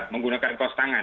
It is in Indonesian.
menggunakan kos tangan